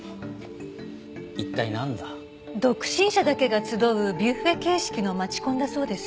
独身者だけが集うビュッフェ形式の街コンだそうです。